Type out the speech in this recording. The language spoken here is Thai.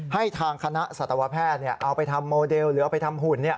ให้ทางคณะสัตวแพทย์เอาไปทำโมเดลหรือเอาไปทำหุ่น